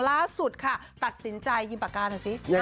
ล่าสุดค่ะตัดสินใจยิมปากกาหน่อยสิ